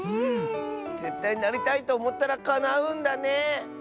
ぜったいなりたいとおもったらかなうんだね！